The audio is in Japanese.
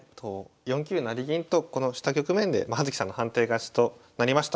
４九成銀とこのした局面で葉月さんの判定勝ちとなりました。